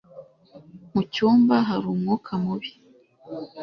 Mu cyumba hari umwuka mubi.